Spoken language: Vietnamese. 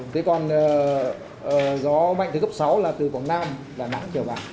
thế còn gió mạnh từ cấp sáu là từ quảng nam đà nẵng trở vào